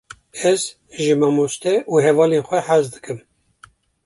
Ez ji mamoste û hevalên xwe hez dikim.